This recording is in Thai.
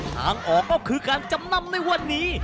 ทางออกก็คือการจำนำในวันนี้